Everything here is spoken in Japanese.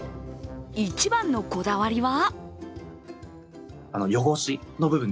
一番のこだわりは？